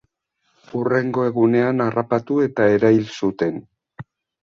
Hurrengo egunean harrapatu eta erail zuten.